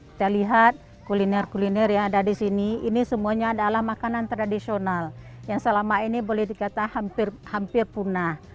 kita lihat kuliner kuliner yang ada di sini ini semuanya adalah makanan tradisional yang selama ini boleh dikatakan hampir punah